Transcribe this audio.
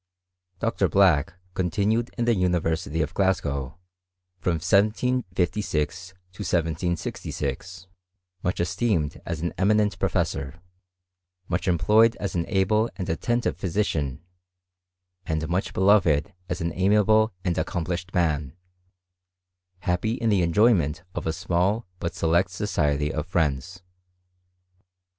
Dr. Black continued in the University of Glasgow from 1756 to 1766, much esteemed as an eminent professor, much employed as an able and attentive physician, and much beloved as an amiable and ac complished man, happy in the enjoyment of a small but select society of friends.